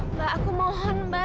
mbak aku mohon mbak